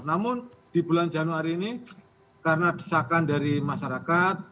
namun di bulan januari ini karena desakan dari masyarakat